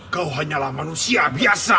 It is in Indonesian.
kau hanyalah manusia biasa